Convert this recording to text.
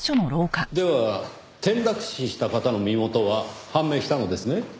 では転落死した方の身元は判明したのですね。